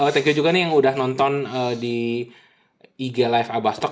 thank you juga nih yang udah nonton di ig live abbastok